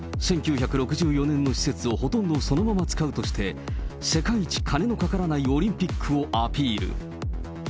１９６４年の施設をほとんどそのまま使うとして、世界一カネのかからないオリンピックをアピール。